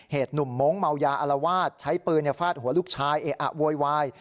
หนุ่มมงค์เมายาอารวาสใช้ปืนฟาดหัวลูกชายเอะอะโวยวาย